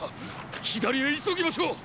左へ急ぎましょう！